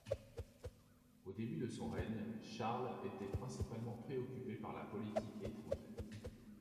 Au début de son règne, Charles était principalement préoccupé par la politique étrangère.